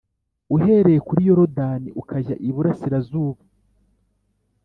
uhereye kuri Yorodani ukajya iburasirazuba